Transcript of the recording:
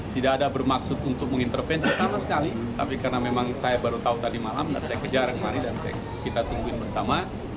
tidak ada bermaksud untuk mengintervensi sama sekali tapi karena memang saya baru tahu tadi malam dan saya kejar kemarin dan kita tungguin bersama